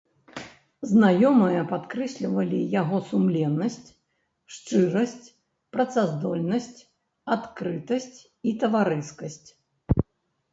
Знаёмыя падкрэслівалі яго сумленнасць, шчырасць, працаздольнасць, адкрытасць і таварыскасць.